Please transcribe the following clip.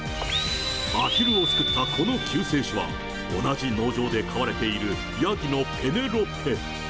アヒルを救ったこの救世主は、同じ農場で飼われているヤギのペネロペ。